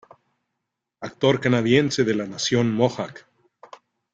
Actor canadiense de la nación mohawk.